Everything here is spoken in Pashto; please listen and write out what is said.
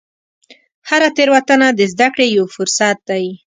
هره تېروتنه د زده کړې یو فرصت دی.